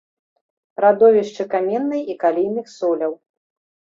Радовішчы каменнай і калійных соляў.